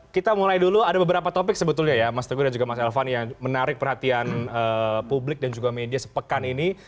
kita mulai dulu ada beberapa topik sebetulnya ya mas teguh dan juga mas elvan yang menarik perhatian publik dan juga media sepekan ini